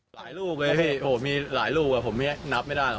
ลูกเลยพี่โอ้มีหลายลูกอ่ะผมนับไม่ได้หรอก